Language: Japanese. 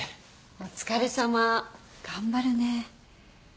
お疲れさま頑張るね。